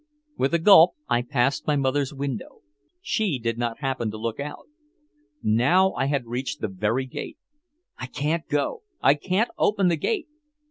With a gulp I passed my mother's window. She did not happen to look out. Now I had reached the very gate. "I can't go! I can't open the gate!"